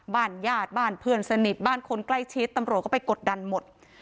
บ้านญาติบ้านเพื่อนสนิทบ้านคนใกล้ชิดตำรวจก็ไปกดดันหมด